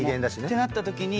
てなったときに。